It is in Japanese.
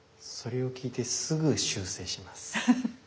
それを聞いてすぐ修正します。